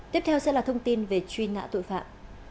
tiếp theo sẽ là thông tin về truy nã tội phạm